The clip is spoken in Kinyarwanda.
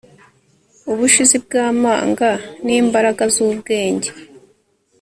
Ubushizi bwamanga nimbaraga zubwenge